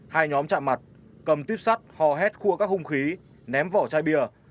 hai nhóm chạm mặt cầm tuyếp sắt hò hét khua các hung khí ném vỏ chai bia